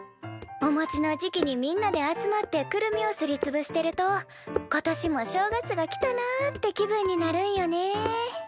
おもちの時期にみんなで集まってくるみをすりつぶしてると今年も正月が来たなあって気分になるんよね。